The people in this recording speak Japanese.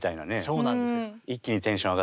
そうなんです。